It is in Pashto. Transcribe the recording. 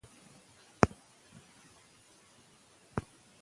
داغ لرونکې الوپیسیا کې وېښتان بېرته نه وده کوي.